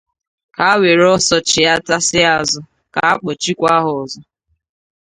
ka ha were ọsọ chighatasịa azụ ka a kpọchikwa ha ọzọ